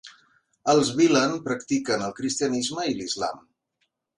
Els bilen practiquen el cristianisme i l'islam.